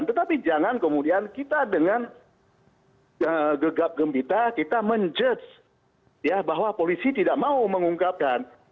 tetapi jangan kemudian kita dengan gegap gembita kita menjudge ya bahwa polisi tidak mau mengungkapkan